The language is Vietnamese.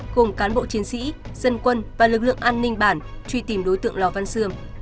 cùng cán bộ chiến sĩ dân quân và lực lượng an ninh bản truy tìm đối tượng lò văn xương